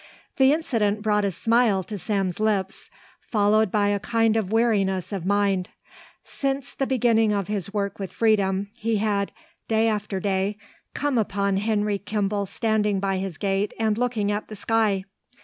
The incident brought a smile to Sam's lips followed by a kind of weariness of mind. Since the beginning of his work with Freedom he had, day after day, come upon Henry Kimball standing by his gate and looking at the sky.